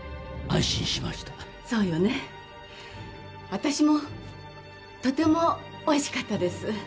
私もとてもおいしかったです。